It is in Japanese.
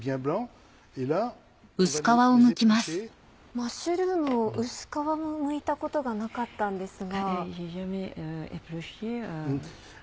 マッシュルームの薄皮をむいたことがなかったんですが。